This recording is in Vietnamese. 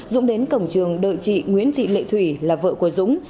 dũng đến cổng trường đợi chị nguyễn thị lệ thủy là vợ của dũng